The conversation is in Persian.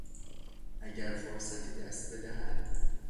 اگر فرصتی دست بدهد